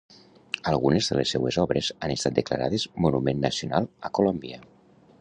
Algunes de les seues obres han estat declarades Monument Nacional a Colòmbia.